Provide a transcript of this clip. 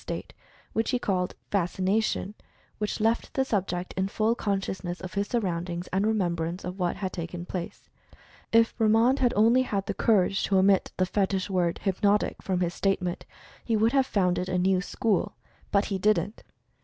state," which he called "Fascination," which left the subject in full conscious ness of his surroundings, and remembrance of what had taken place. If Bremand had only had the cour age to omit the fetich word "hypnotic" from his state ment, he would have founded a new school. But he didn't!